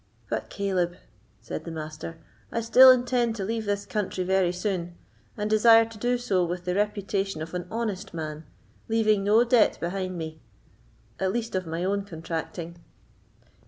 "But, Caleb," said the Master, "I still intend to leave this country very soon, and desire to do so with the reputation of an honest man, leaving no debt behind me, at least of my own contracting."